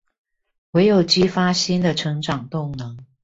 唯有激發新的成長動能